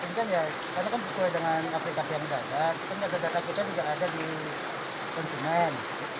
saya meyakinkan ya karena kan sesuai dengan aplikasi yang mendatang kita melihat data kita juga ada di konsumen